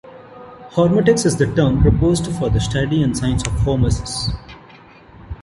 Hormetics is the term proposed for the study and science of hormesis.